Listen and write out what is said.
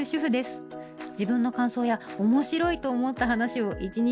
自分の感想や面白いと思った話を１日中つぶやいています」。